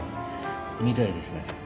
みたいですね。